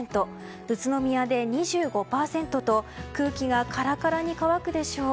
宇都宮で２５％と空気がカラカラに乾くでしょう。